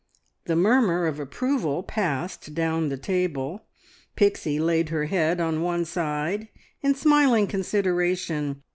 The murmur of approval passed down the table. Pixie laid her head on one side in smiling consideration.